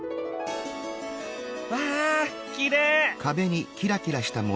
わあきれい！